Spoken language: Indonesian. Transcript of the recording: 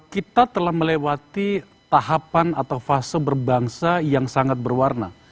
kita telah melewati tahapan atau fase berbangsa yang sangat berwarna